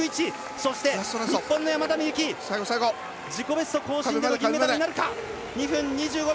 そして日本の山田美幸自己ベスト更新での銀メダル。